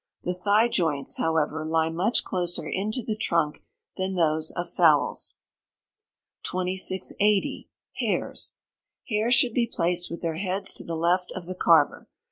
The thigh joints, however, lie much closer into the trunk than those of fowls. 2680. Hares. Hares should be placed with their heads to the left of the carver.